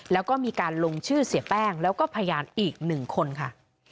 แล้วก็มีการลงชื่อเสียแป้งแล้วก็พยานอีก๑คนค่ะ